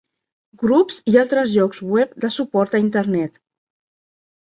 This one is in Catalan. Grups i altres llocs web de suport a internet.